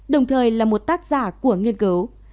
đồng thời là một tác giả của nghiên cứu